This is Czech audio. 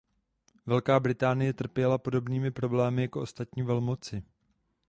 Velká Británie trpěla podobnými problémy jako ostatní velmoci.